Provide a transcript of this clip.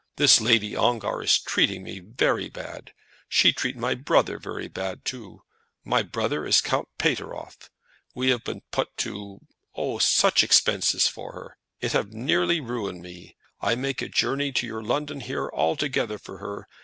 This Lady Ongar is treating me very bad. She treat my brother very bad too. My brother is Count Pateroff. We have been put to oh, such expenses for her! It have nearly ruined me. I make a journey to your London here altogether for her.